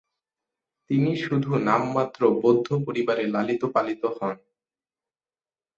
তিনি শুধু নামমাত্র বৌদ্ধ পরিবারে লালিত পালিত হন।